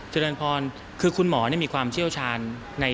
เจริญพรคือคุณหมอมีความเชี่ยวชาญ